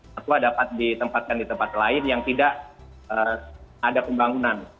satwa dapat ditempatkan di tempat lain yang tidak ada pembangunan